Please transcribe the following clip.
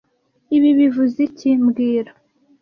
Ibi bivuze iki mbwira